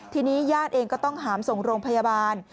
ทีนี้ญาติเองก็ต้องหามส่งโรงพยาบาล